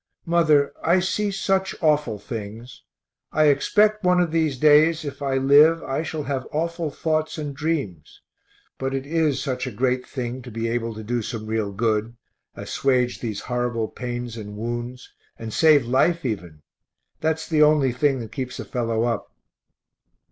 Mother, I see such awful things. I expect one of these days, if I live, I shall have awful thoughts and dreams but it is such a great thing to be able to do some real good; assuage these horrible pains and wounds, and save life even that's the only thing that keeps a fellow up.